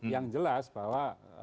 yang jelas bahwa